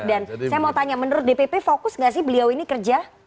dan saya mau tanya menurut dpp fokus gak sih beliau ini kerja